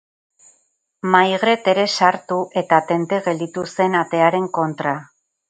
Maigret ere sartu, eta tente gelditu zen, atearen kontra.